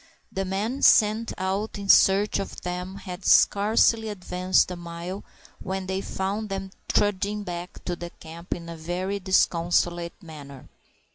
The men sent out in search of them had scarcely advanced a mile when they found them trudging back to the camp in a very disconsolate manner.